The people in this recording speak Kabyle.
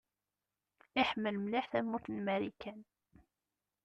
Iḥemmel mliḥ tamurt n Marikan.